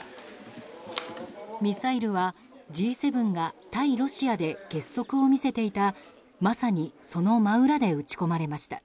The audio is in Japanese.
ミサイルはＧ７が対ロシアで結束を見せていたまさに、その真裏で撃ち込まれました。